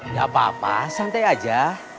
gak apa apa santai aja